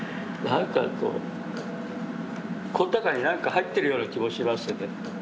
なんかこうこの中に何か入ってるような気もしますよね。